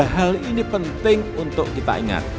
hal ini penting untuk kita ingat